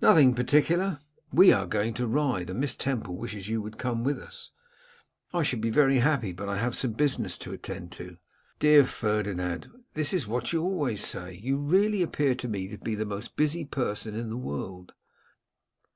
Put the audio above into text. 'Nothing particular.' 'We are going to ride, and Miss Temple wishes you would come with us.' 'I should be very happy, but I have some business to attend to.' 'Dear Ferdinand, that is what you always say. You really appear to me to be the most busy person in the world.